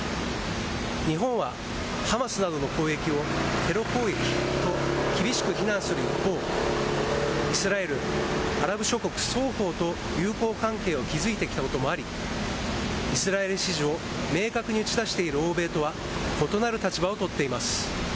日本はハマスなどの攻撃をテロ攻撃と厳しく非難する一方、イスラエル、アラブ諸国双方と友好関係を築いてきたこともあり、イスラエル支持を明確に打ち出している欧米とは異なる立場を取っています。